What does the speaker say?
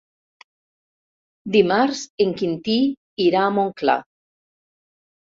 Dimarts en Quintí irà a Montclar.